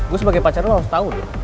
gue sebagai pacar lo harus tau deh